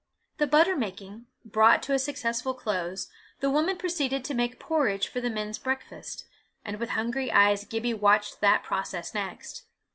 The butter making, brought to a successful close, the woman proceeded to make porridge for the men's breakfast, and with hungry eyes Gibbie watched that process next.